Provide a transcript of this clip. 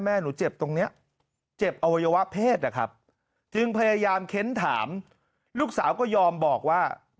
หนูเจ็บตรงนี้เจ็บอวัยวะเพศนะครับจึงพยายามเค้นถามลูกสาวก็ยอมบอกว่า